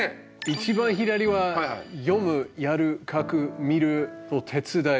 一番左は「読む」「やる」「書く」「見る」「手つだい」。